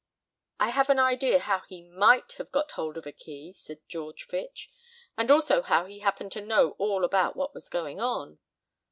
"I have an idea how he might have got hold of a key," said George Fitch, "and also how he happened to know all about what was going on."